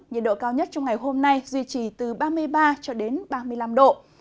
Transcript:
nhiệt độ cao nhất trong ngày hôm nay duy trì từ ba mươi ba cho đến ba mươi năm độ